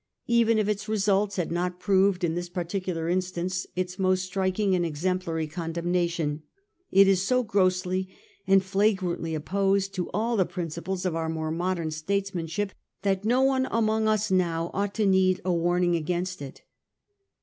Even if its results had not proved in this particular instance its most striking and exemplary condemnation, it is so grossly and flagrantly opposed to all the principles of our more modem statesman ship that no one among us ought now to need a warning against it.